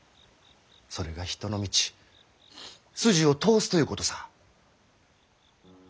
それが人の道筋を通すということさぁ。